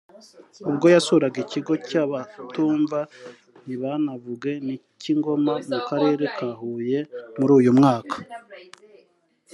ubwo yasuraga ikigo cy’abatumva ntibanavuge cy’i Ngoma mu Karere ka Huye muri uyu mwaka